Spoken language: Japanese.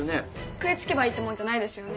食いつけばいいってもんじゃないですよね？